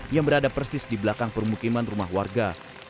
yang berada persis di belakang permukiman rumah warga